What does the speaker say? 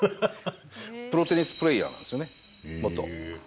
プロテニスプレーヤーなんですよ